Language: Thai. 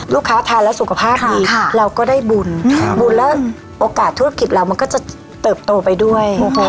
ทานแล้วสุขภาพดีเราก็ได้บุญบุญแล้วโอกาสธุรกิจเรามันก็จะเติบโตไปด้วย